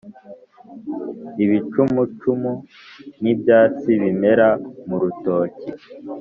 ibicumucumu ni ibyatsi bimera mu rutoki